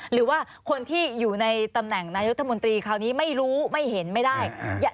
หรือว่าคนที่อยู่ในตำแหน่งนายุทธมนตรีคราวนี้ไม่รู้ไม่เห็นไม่ได้